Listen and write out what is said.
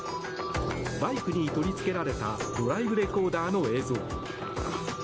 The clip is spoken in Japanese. バイクに取りつけられたドライブレコーダーの映像。